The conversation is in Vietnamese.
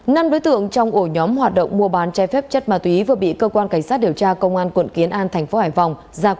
năm đối tượng trong ổ nhóm hoạt động mua bán chai phép chất ma túy vừa bị cơ quan cảnh sát điều tra công an quận kiến an thành phố hải phòng